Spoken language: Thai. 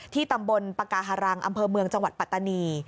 ตำบลปากาฮารังอำเภอเมืองจังหวัดปัตตานี